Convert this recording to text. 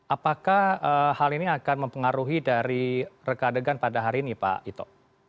apakah hal ini akan mempengaruhi dari reka adegan pada hari ini pak ito